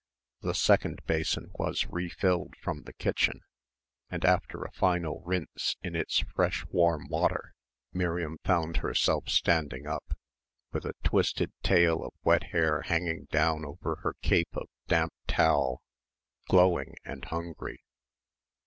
The second basin was re filled from the kitchen, and after a final rinse in its fresh warm water, Miriam found herself standing up with a twisted tail of wet hair hanging down over her cape of damp towel glowing and hungry.